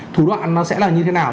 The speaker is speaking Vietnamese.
thủ đoạn nó sẽ là như thế nào